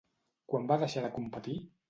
Quan va deixar de competir?